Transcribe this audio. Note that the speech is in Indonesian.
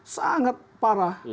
dan itu sangat parah